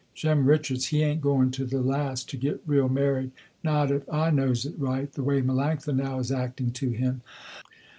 Jem Richards, he ain't going to the last to get real married, not if I knows it right, the way Melanctha now is acting to him.